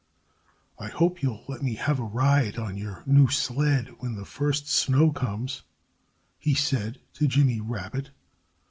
"I hope you'll let me have a ride on your new sled when the first snow comes," he said to Jimmy Rabbit.